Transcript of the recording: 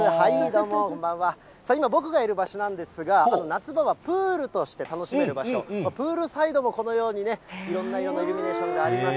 僕が今いる場所なんですが、夏場はプールとして楽しめる場所、プールサイドもこのようにね、いろんな色のイルミネーションがあります。